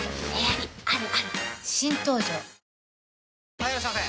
・はいいらっしゃいませ！